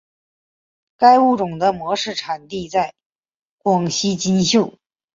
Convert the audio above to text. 该物种的模式产地在广西金秀。